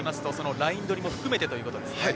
ライン取りも含めてということですね。